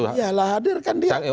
iya lah hadir kan dia